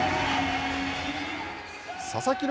佐々木朗